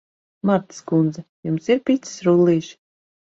Martas kundze, jums ir picas rullīši?